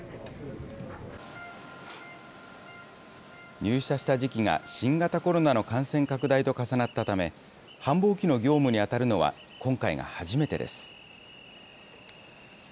入社した時期が新型コロナの感染拡大と重なったため、繁忙期の業務に当たるのは今回が初めてです。